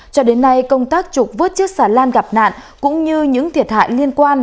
cho đến nay công tác trục vớt chiếc xà lan gặp nạn cũng như những thiệt hại liên quan